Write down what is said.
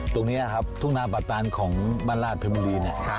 ตรงนี้ครับทุ่งนาป่าตาลของบ้านราชเพชรประหลาด